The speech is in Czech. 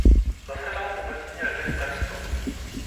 Zasedal v obecní radě v Terstu.